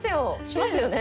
しますよね？